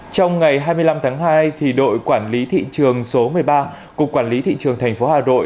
trong ngày hai mươi năm tháng hai đội quản lý thị trường số một mươi ba của quản lý thị trường thành phố hà rội